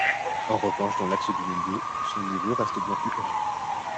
En revanche dans l'axe du milieu, son niveau reste bien plus correct.